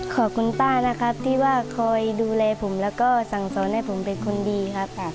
ขอบคุณป้านะครับที่ว่าคอยดูแลผมแล้วก็สั่งสอนให้ผมเป็นคนดีครับ